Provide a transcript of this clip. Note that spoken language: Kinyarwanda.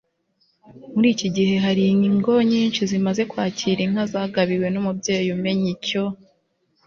muri iki gihe, hari ingo nyinshi zimaze kwakira inka zagabiwe n'umubyeyi umenya icyo